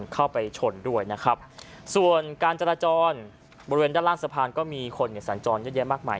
สะพานบนการล้างสะพานมีคนหนีมากมาย